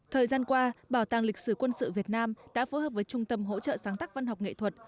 thời gian qua bảo tàng lịch sử quân sự việt nam đã phối hợp với trung tâm hỗ trợ sáng tác văn học nghệ thuật